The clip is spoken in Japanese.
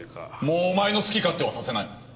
もうお前の好き勝手はさせない。